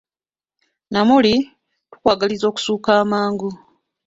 Namuli, tukwagaliza okussuuka amangu!